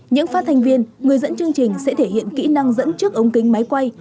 những phát thanh viên người dẫn chương trình sẽ thể hiện kỹ năng dẫn trước ống kính máy quay